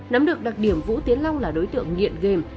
nắm được đặc điểm vũ tiến long là đối tượng nghiện game